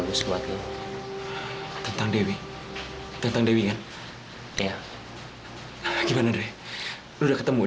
gue udah ketemu